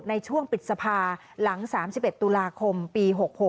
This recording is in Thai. ในช่วงปิดสภาหลัง๓๑ตุลาคมปี๖๖